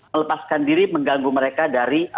melepaskan diri mengganggu mereka dari